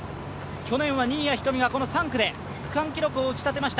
去年新谷仁美が３区で区間新記録を打ち立てました。